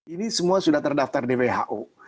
ini semua sudah terdaftar di who